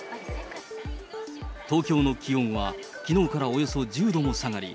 東京の気温はきのうからおよそ１０度も下がり、